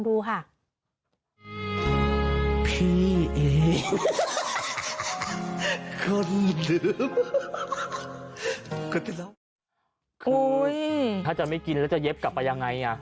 คือถ้าไม่กินจะเย็บกลับไปยังไง